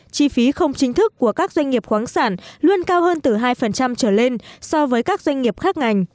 chi phí không chính thức của các doanh nghiệp khoáng sản luôn cao hơn từ hai trở lên so với các doanh nghiệp khác ngành